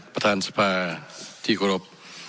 ประธานสภาที่โอกรม